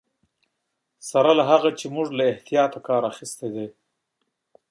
سره له هغه چې موږ له احتیاط کار اخیستی دی.